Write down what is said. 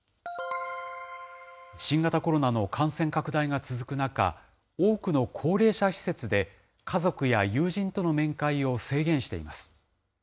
新型コロナの感染拡大が続く中、多くの高齢者施設で家族や友人との面会を制限しています。